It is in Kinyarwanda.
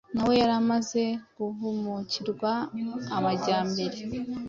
nawe yari amaze guhumukirwa amajyambere,